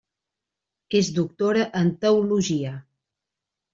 Es doctora en teologia.